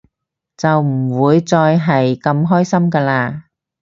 就唔會再係咁開心㗎喇